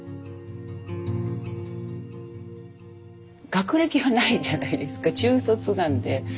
学歴がないじゃないですか中卒なんで。